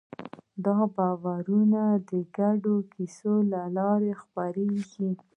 دا باورونه د ګډو کیسو له لارې خپرېږي.